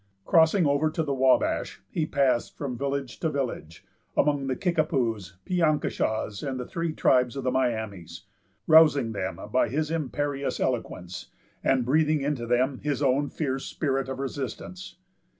Crossing over to the Wabash, he passed from village to village, among the Kickapoos, the Piankishaws, and the three tribes of the Miamis, rousing them by his imperious eloquence, and breathing into them his own fierce spirit of resistance.